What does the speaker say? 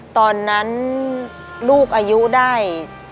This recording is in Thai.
ตอนนั้นลูกอายุได้